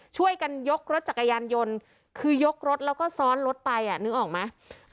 ช่วยกันยกรถจักรยานยนต์คือยกรถแล้วก็ซ้อนรถไปนึกออกไหม